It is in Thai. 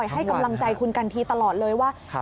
ให้กำลังใจคุณกันทีตลอดเลยว่า